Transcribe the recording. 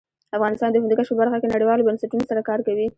افغانستان د هندوکش په برخه کې نړیوالو بنسټونو سره کار کوي.